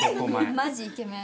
マジイケメン。